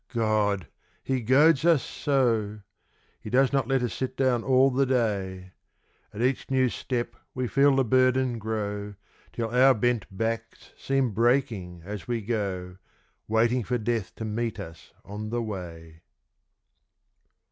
God! he goads us so! He does not let us sit down all the day. At each new step we feel the burden grow, Till our bent backs seem breaking as we go, Watching for Death to meet us on the way.